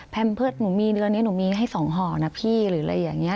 เพิร์ตหนูมีเดือนนี้หนูมีให้๒ห่อนะพี่หรืออะไรอย่างนี้